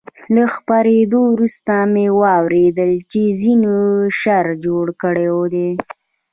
له خپرېدو وروسته مې واورېدل چې ځینو شر جوړ کړی دی.